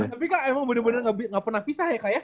tapi kak emang bener bener gak pernah pisah ya kak ya